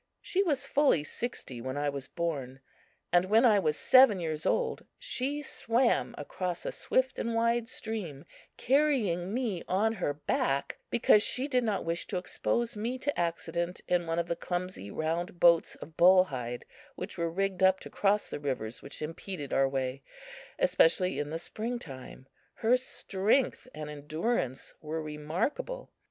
She was fully sixty when I was born; and when I was seven years old she swam across a swift and wide stream, carrying me on her back, because she did not wish to expose me to accident in one of the clumsy round boats of bull hide which were rigged up to cross the rivers which impeded our way, especially in the springtime. Her strength and endurance were remarkable.